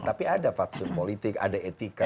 tapi ada fatsun politik ada etika